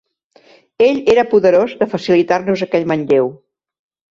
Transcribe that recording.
Ell era poderós de facilitar-nos aquell manlleu.